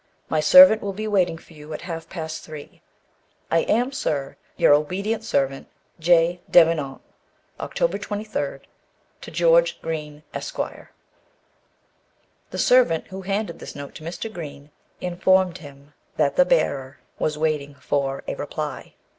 My servant will be in waiting for you at half past three. I am, sir, your obedient servant, J. Devenant. October 23. To George Green, Esq." The servant who handed this note to Mr. Green, informed him that the bearer was waiting for a reply.